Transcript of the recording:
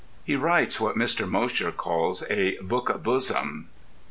He writes what Mr. Mosher calls a book a bosom.